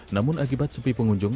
namun akibat sepi pengunjung